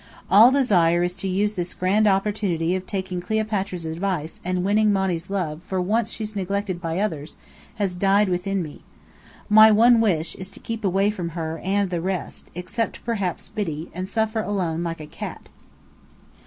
All desire to use this grand opportunity of taking Cleopatra's advice and winning Monny's love while for once she's neglected by others, has died within me. My one wish is to keep away from her and the rest, except perhaps Biddy, and suffer alone, like a cat.